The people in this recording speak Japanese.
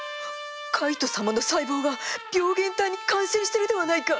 カイト様の細胞が病原体に感染してるではないか！